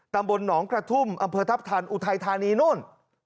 ตำบลหนองกระทุ่มอำเภอทัพทันอุทัยธานีนู่น